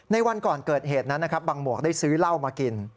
วันก่อนเกิดเหตุนั้นนะครับบังหมวกได้ซื้อเหล้ามากิน